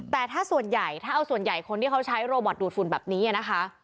แต่ถ้าส่วนใหญ่ถ้าเอาส่วนใหญ่คนที่เขาใช้โรบอตดูดฝุ่นแบบนี้นะคะ